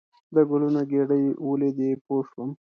د ګلونو ګېدۍ ولیدې پوه شوم.